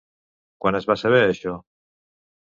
Quan es va saber això?